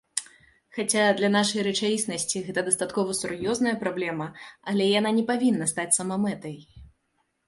Хаця, для нашай рэчаіснасці гэта дастаткова сур'ёзная праблема, але яна не павінна стаць самамэтай.